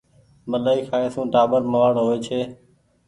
ملآئي کآئي سون ٽآٻر موآڙ هووي ڇي